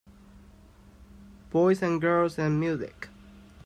Boys and girls and music.